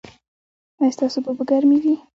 ایا ستاسو اوبه به ګرمې نه وي؟